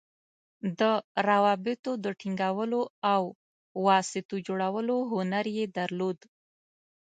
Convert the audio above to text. د روابطو د ټینګولو او واسطو جوړولو هنر یې درلود.